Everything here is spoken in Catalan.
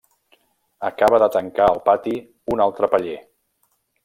Acaba de tancar el pati un altre paller.